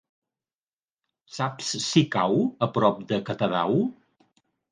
Saps si cau a prop de Catadau?